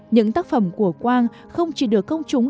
những tác phẩm của quang không chỉ được công chúng